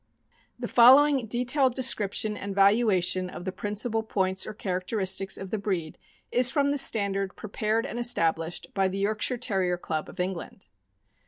The following detailed description and valuation of the principal points or characteristics of the breed is from the standard prepared and established by the Yorkshire Ter rier Club of England.